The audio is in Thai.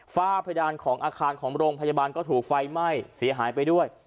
ฝ้าเพดานของอาคารของโรงพยาบาลก็ถูกไฟไหม้เสียหายไปด้วย